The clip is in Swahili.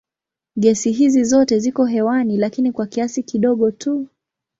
Gesi hizi zote ziko hewani lakini kwa kiasi kidogo tu.